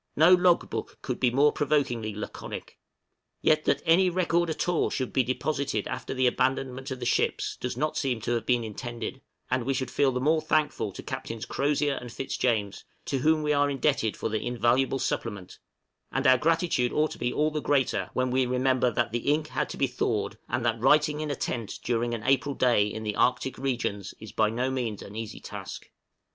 No log book could be more provokingly laconic. Yet, that any record at all should be deposited after the abandonment of the ships, does not seem to have been intended; and we should feel the more thankful to Captains Crozier and Fitzjames, to whom we are indebted for the invaluable supplement; and our gratitude ought to be all the greater when we remember that the ink had to be thawed, and that writing in a tent during an April day in the Arctic regions is by no means an easy task.